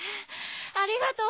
ありがとう！